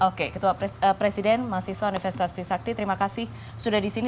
oke ketua presiden mahasiswa universitas trisakti terima kasih sudah di sini